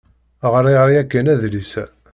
Ɣṛiɣ yakan adlis-a.